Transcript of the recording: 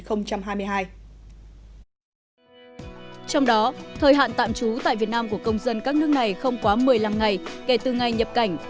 trong đó thời hạn tạm trú tại việt nam của công dân các nước này không quá một mươi năm ngày kể từ ngày nhập cảnh